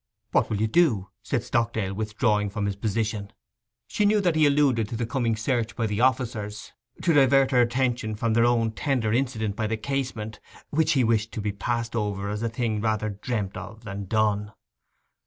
'What will you do?' said Stockdale, withdrawing from his position. She knew that he alluded to the coming search by the officers, to divert her attention from their own tender incident by the casement, which he wished to be passed over as a thing rather dreamt of than done.